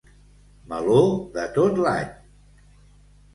Meló de tot l'any.